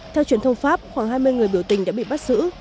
theo truyền thông pháp khoảng hai mươi người biểu tình đã bị bắt giữ